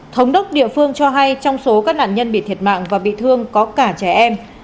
thống đốc địa phương cho hay trong số các nạn nhân bị thiệt mạng và bị thương có cả trẻ em